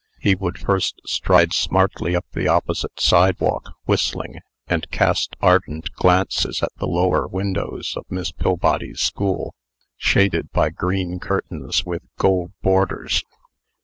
He would first stride smartly up the opposite sidewalk, whistling, and cast ardent glances at the lower windows of Miss Pillbody's school, shaded by green curtains with gold borders.